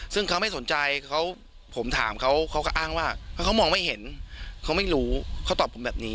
ซึ่งเขาไม่สนใจเขาผมถามเขาเขาก็อ้างว่าเขามองไม่เห็นเขาไม่รู้เขาตอบผมแบบนี้